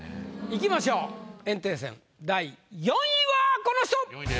いきましょう炎帝戦第４位はこの人！